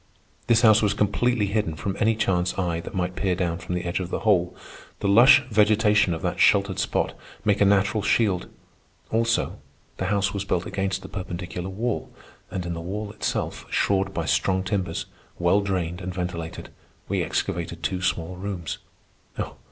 This house was completely hidden from any chance eye that might peer down from the edge of the hole. The lush vegetation of that sheltered spot make a natural shield. Also, the house was built against the perpendicular wall; and in the wall itself, shored by strong timbers, well drained and ventilated, we excavated two small rooms.